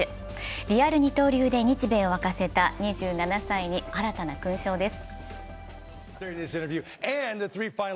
リアル二刀流で日米を沸かせた２７歳に新たな勲章です。